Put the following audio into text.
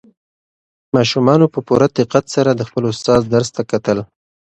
ماشومانو په پوره دقت سره د خپل استاد درس ته کتل.